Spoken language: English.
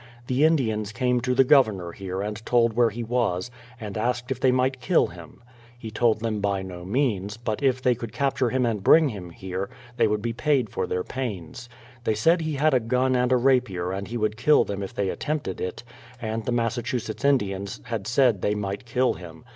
The Indians came to the Governor here and told where he was, and asked if they might kill him. He told them by no means, but if they could capture him and bring him here, they would be paid for their pains. They said he had a gun and a rapier and he would kill them if they attempted it, and the Massachu setts Indians had said they might kill him.